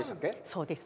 そうです。